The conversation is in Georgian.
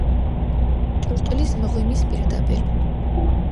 ჯრუჭულის მღვიმის პირდაპირ.